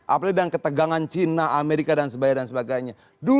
apalagi dengan ketegangan cina amerika dan sebagainya